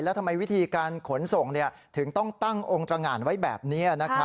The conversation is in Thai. แล้วทำไมวิธีการขนส่งถึงต้องตั้งองค์ตรงานไว้แบบนี้